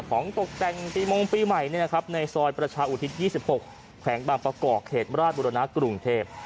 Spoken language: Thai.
ของตกแต่งปีมงค์ปีใหม่เนี่ยครับในซอยประชาอุทิศยี่สิบหกแขวงบางประกอบเขตมราชบุรณากรุงเทพฯ